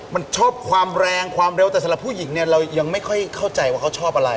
มันชอบความแรงความเร็วแต่สำหรับผู้หญิงเนี่ยเรายังไม่ค่อยเข้าใจว่าเขาชอบอะไร